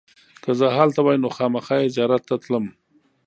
که زه هلته وای نو خامخا یې زیارت ته تلم.